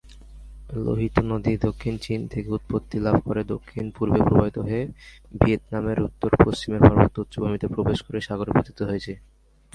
লোহিত নদী দক্ষিণ চীন থেকে উৎপত্তি লাভ করে দক্ষিণ-পূর্বে প্রবাহিত হয়ে ভিয়েতনামের উত্তর-পশ্চিমের পার্বত্য উচ্চভূমিতে প্রবেশ করে সাগরে পতিত হয়েছে।